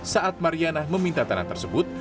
saat mariana meminta tanah tersebut